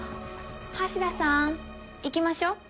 橋田さん行きましょう。